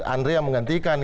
andri yang menggantikan